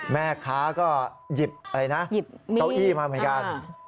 แม่ค้าก็หยิบเก้าอี้มาเหมือนกัน